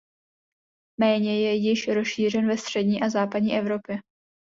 Méně je již rozšířen ve střední a západní Evropě.